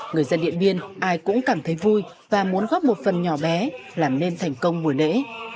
người dân điện biên ai cũng cảm thấy vui và muốn góp một phần nhỏ bé làm nên thành công mùa lễ